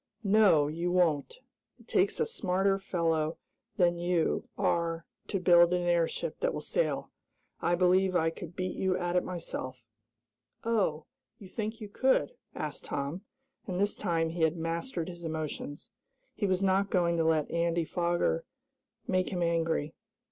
"No, you won't! It takes a smarter fellow than you are to build an airship that will sail. I believe I could beat you at it myself." "Oh, you think you could?" asked Tom, and this time he had mastered his emotions. He was not going to let Andy Foger make him angry.